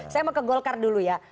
saya mau ke golkar dulu ya